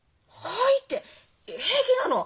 「はい」って平気なの？